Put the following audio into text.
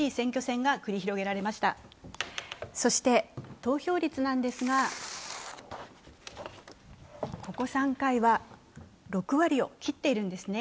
投票率なんですがここ３回は６割を切っているんです。